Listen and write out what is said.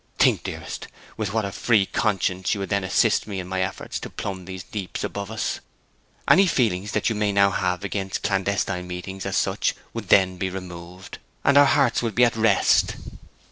Think, dearest, with what a free conscience you could then assist me in my efforts to plumb these deeps above us! Any feeling that you may now have against clandestine meetings as such would then be removed, and our hearts would be at rest.'